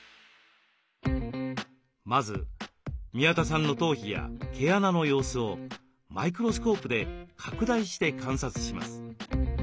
まず宮田さんの頭皮や毛穴の様子をマイクロスコープで拡大して観察します。